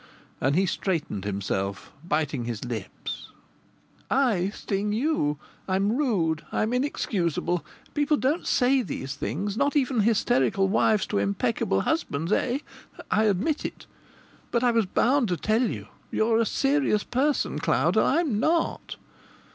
And he straightened himself, biting his lips! " I sting you! I'm rude! I'm inexcusable! People don't say these things, not even hysterical wives to impeccable husbands, eh? I admit it. But I was bound to tell you. You're a serious person, Cloud, and I'm not.